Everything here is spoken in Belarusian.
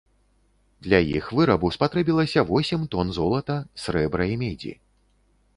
Для іх вырабу спатрэбілася восем тон золата, срэбра і медзі.